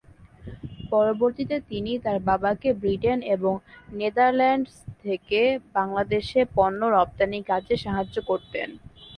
পরবর্তীতে তিনি তার বাবাকে ব্রিটেন এবং নেদারল্যান্ডস থেকে বাংলাদেশে পণ্য রপ্তানির কাজে সাহায্য করতেন।